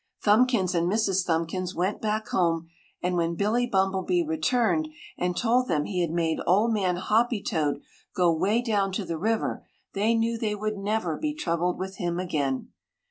Thumbkins and Mrs. Thumbkins went back home, and when Billy Bumblebee returned and told them he had made Old Man Hoppy toad go 'way down to the river they knew they would never be troubled with him again.